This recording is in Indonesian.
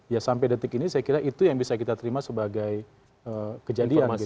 ya sampai detik ini saya kira itu yang bisa kita terima sebagai kejadian